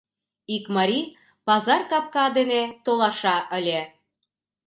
Ик марий пазар капка дене толаша ыле.